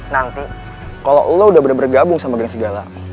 nanti kalau lo udah bener bener gabung sama geng serigala